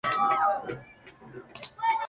En total lleva jugados dos partidos y marcó un try.